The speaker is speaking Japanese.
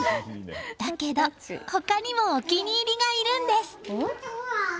だけど、他にもお気に入りがいるんです。